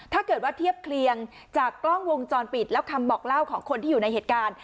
ถ้าเกิดว่าเทียบเคลียงจากกล้องวงจรปิดแล้วคำบอกเล่าของคนที่อยู่ในเหตุการณ์